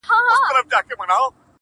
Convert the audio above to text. بندولې یې د خلکو د تلو لاري -